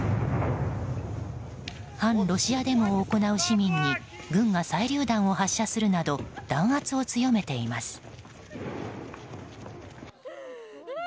反ロシアデモを行う市民に軍が催涙弾を発射するなど弾圧を強めています。